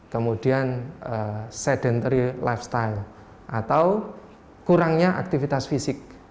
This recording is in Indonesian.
kemudian sedentary lifestyle atau kurangnya aktivitas fisik